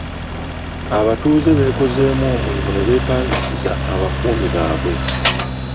Abatuuze beekozeemu omulimu ne beepangisiza abakuumi bwabwe.